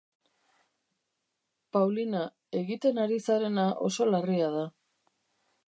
Paulina, egiten ari zarena oso larria da.